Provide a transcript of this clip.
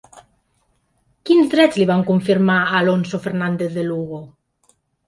Quins drets li van confirmar a Alonso Fernández de Lugo?